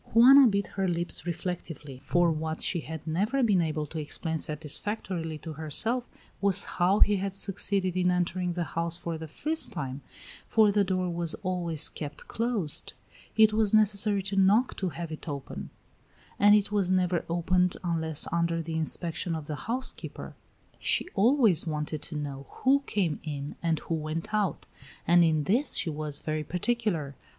Juana bit her lips reflectively, for what she had never been able to explain satisfactorily to herself was how he had succeeded in entering the house for the first time, for the door was always kept closed; it was necessary to knock to have it opened; and it was never opened unless under the inspection of the housekeeper; she always wanted to know who came in and who went out, and in this she was very particular.